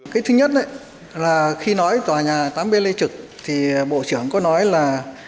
cái thứ nhất là khi nói tòa nhà tám b lê trực thì bộ trưởng có nói là